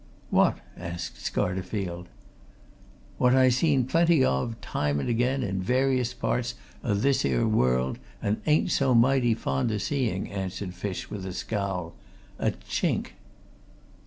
"What?" asked Scarterfield. "What I seen plenty of, time and again, in various parts o' this here world, and ain't so mighty fond o' seeing," answered Fish, with a scowl. "A chink!"